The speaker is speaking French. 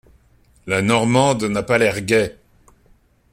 La Normande n’a pas l’air gai.